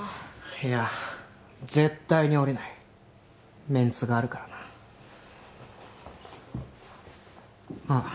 いや絶対におりないメンツがあるからなあっ